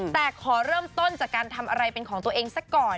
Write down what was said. แต่ขอเริ่มต้นจากการทำอะไรเป็นของตัวเองซะก่อน